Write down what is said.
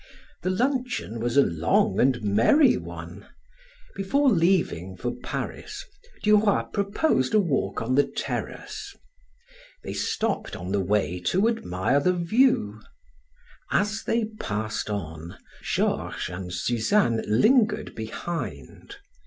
The luncheon was a long and merry one. Before leaving for Paris, Du Roy proposed a walk on the terrace. They stopped on the way to admire the view; as they passed on, Georges and Suzanne lingered behind.